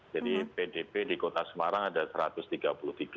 jadi pdp di kota semarang ada satu ratus tiga puluh tiga